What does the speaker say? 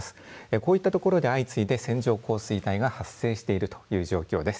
こういったところで相次いで線状降水帯が発生しているという状況です。